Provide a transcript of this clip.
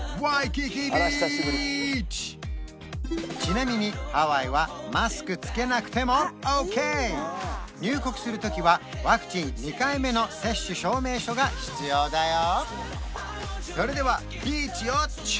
スポットちなみにハワイはマスク着けなくてもオーケー入国する時はワクチン２回目の接種証明書が必要だよ